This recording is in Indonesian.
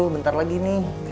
bentar lagi nih